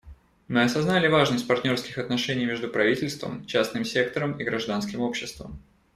Мы осознали важность партнерских отношений между правительством, частным сектором и гражданским обществом.